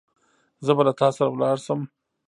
زه به له تا سره لاړ شم.